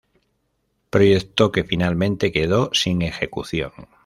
Proyecto que finalmente quedó sin ejecución.